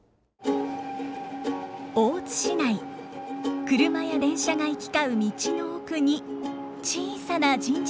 大津市内車や電車が行き交う道の奥に小さな神社があります。